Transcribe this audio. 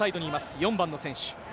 ４番の選手。